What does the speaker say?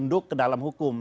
tunduk ke dalam hukum